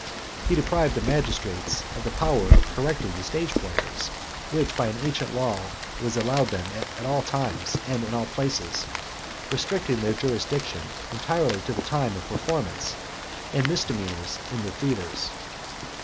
He deprived the magistrates of the power of correcting the stage players, which by an ancient law was allowed them at all times, and in all places; restricting their jurisdiction entirely to the time of performance and misdemeanours in the theatres.